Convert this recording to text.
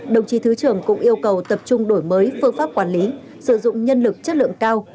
đồng chí thứ trưởng cũng yêu cầu tập trung đổi mới phương pháp quản lý sử dụng nhân lực chất lượng cao